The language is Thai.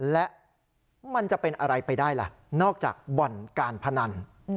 และมันจะเป็นอะไรไปได้ล่ะนอกจากบ่อนการพนัน